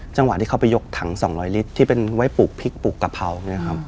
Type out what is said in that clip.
จังหวะที่เขาไปยกถัง๒๐๐ลิตรที่เป็นไว้ปลูกพริกปลูกกะเพราเนี่ยครับ